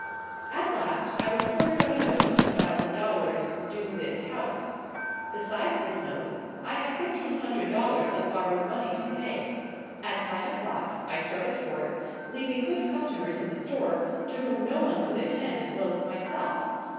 At last, I was cornered on a note of a thousand dollars, due this house. Besides this note, I had fifteen hundred dollars of borrowed money to pay. At nine o'clock, I started forth, leaving good customers in the store, to whom no one could attend as well as myself.